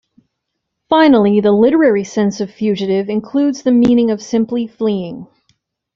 Finally, the literary sense of "fugitive" includes the meaning of simply "fleeing".